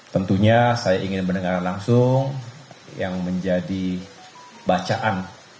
tentunya saya ingin mendengarkan langsung yang menjadi bacaan